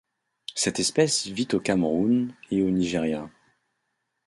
Cette espèce vit au Cameroun et au Nigeria.